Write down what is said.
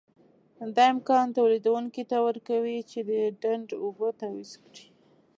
دا امکان تولیدوونکي ته ورکوي چې د ډنډ اوبه تعویض کړي.